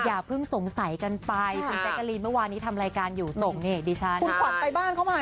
อย่าเพิ่งสงสัยกันไปคุณแจ๊คการีนเมื่อวานนี้ทำรายการอยู่ส่งเนี่ยดิฉัน